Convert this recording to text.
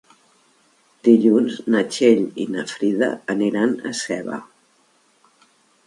Dilluns na Txell i na Frida aniran a Seva.